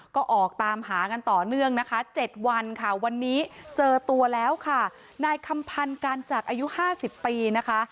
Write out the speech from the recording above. ก็ออกตามหากันต่อเนื่องนะคะ๗วันค่ะวันนี้เจอตัวแล้วค่ะนายคำพันธ์การจักรอายุห้าสิบปีนะคะ